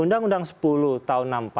undang undang sepuluh tahun enam puluh empat